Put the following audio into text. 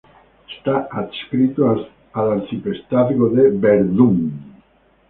Está adscrito al Arciprestazgo de Berdún.